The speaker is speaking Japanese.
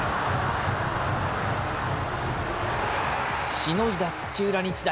しのいだ土浦日大。